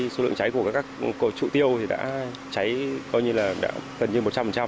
số lượng cháy của các chủ tiêu thì đã cháy coi như là gần như một trăm linh